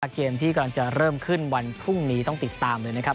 เกมที่กำลังจะเริ่มขึ้นวันพรุ่งนี้ต้องติดตามเลยนะครับ